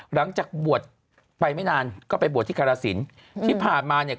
หลังจากบวชไปไม่นานก็ไปบวชที่กรสินที่ผ่านมาเนี่ย